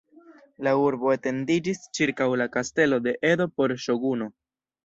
La urbo etendiĝis ĉirkaŭ la kastelo de Edo por ŝoguno.